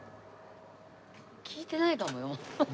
聞いてないかもよ。